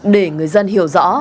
để người dân hiểu rõ